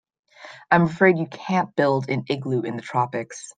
I'm afraid you can't build an igloo in the tropics.